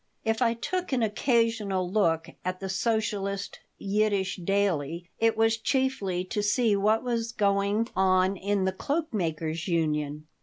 If I took an occasional look at the socialist Yiddish daily it was chiefly to see what was going on in the Cloak makers' Union.